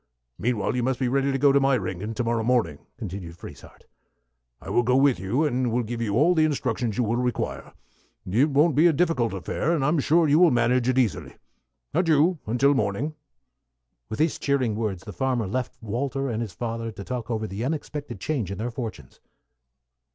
Meanwhile, you must be ready to go to Meyringen to morrow morning," continued Frieshardt. "I will go with you, and give you all the instructions you will require. It won't be a difficult affair, and I'm sure you will manage it easily. Adieu, till morning." With these cheering words the farmer left Walter and his father to talk over the unexpected change in their fortunes.